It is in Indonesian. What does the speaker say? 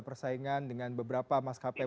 persaingan dengan beberapa maskapai